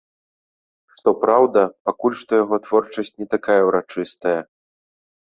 Што праўда, пакуль што яго творчасць не такая ўрачыстая.